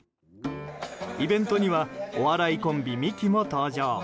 イベントにはお笑いコンビ・ミキも登場。